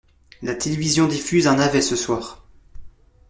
La télévision diffuse un navet ce soir.